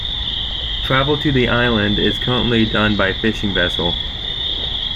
Travel to the island is currently done by fishing vessel.